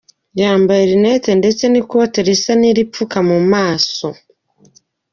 Yambaye Lunette ndetse n’ikote risa niripfuka mu maso.